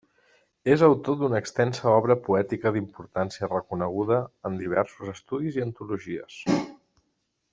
És autor d'una extensa obra poètica d'importància reconeguda en diversos estudis i antologies.